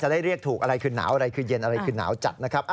ได้เรียกถูกอะไรคือหนาวอะไรคือเย็นอะไรคือหนาวจัดนะครับ